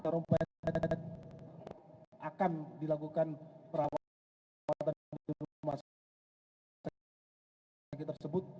tarumpayat akan dilakukan perawatan rumah sakit tersebut